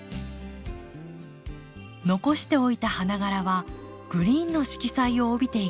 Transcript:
残しておいた花がらはグリーンの色彩を帯びていきます。